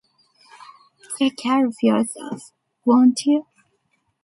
Take care of yourself, won't you?